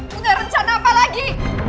punya rencana apa lagi